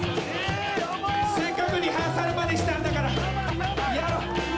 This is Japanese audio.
せっかくリハーサルまでしたんだからやろう。